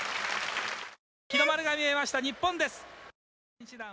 日の丸が見えました、日本です。